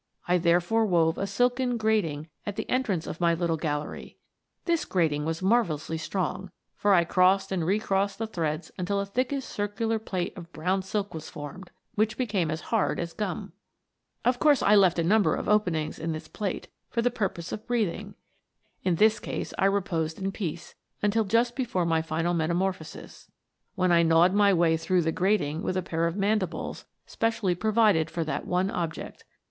I therefore wove a silken grating at the entrance of my little gallery. This grating was marvellously strong, for I crossed and recrossed the threads until a thickish circular plate of brown silk was formed, which became as hard as gum. Of course I left a number of openings in this plate, for the purpose of breath ing. In this case I reposed in peace until just before 152 METAMOBPHOSES. my final metamorphosis, when I gnawed my way through the grating with a pair of mandibles spe cially provided for that one object.